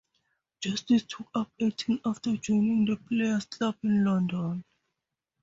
Justice took up acting after joining the Players' Club in London.